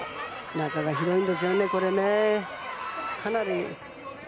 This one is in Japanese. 中が広いんですよね、これね。